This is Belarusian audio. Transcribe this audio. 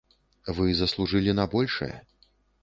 Вы заслужылі на большае.